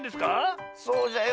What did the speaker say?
そうじゃよ。